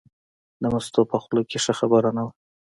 د مستو په خوله کې ښه خبره نه وه.